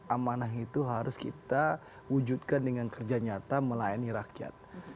amanah itu harus kita wujudkan dengan kerja nyata melayani rakyat